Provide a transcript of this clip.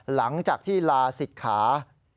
หลังจากที่ลาศิกขา